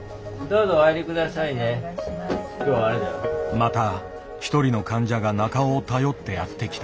また一人の患者が中尾を頼ってやって来た。